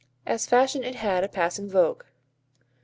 As fashion it had a passing vogue.